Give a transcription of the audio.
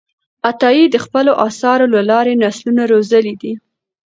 عطایي د خپلو آثارو له لارې نسلونه روزلي دي.